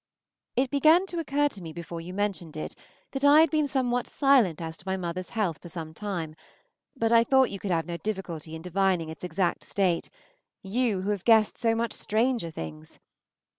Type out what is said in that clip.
It began to occur to me before you mentioned it that I had been somewhat silent as to my mother's health for some time, but I thought you could have no difficulty in divining its exact state, you, who have guessed so much stranger things.